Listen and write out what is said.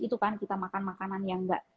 itu kan kita makan makanan yang nggak